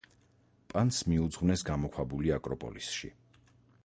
პანს მიუძღვნეს გამოქვაბული აკროპოლისში.